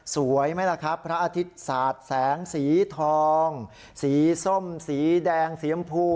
ไหมล่ะครับพระอาทิตย์ศาสตร์แสงสีทองสีส้มสีแดงสีชมพู